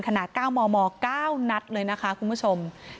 ๙มม๙นัดเลยนะคะคุณผู้ชม